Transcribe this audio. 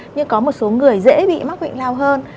nhưng có một số người dễ bị mắc bệnh lao hơn